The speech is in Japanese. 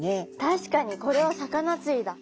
確かにこれは魚釣りだ。